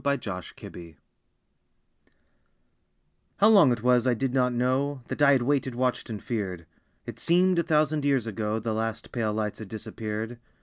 Beyond the Tops of Time How long it was I did not know, That I had waited, watched, and feared. It seemed a thousand years ago The last pale lights had disappeared.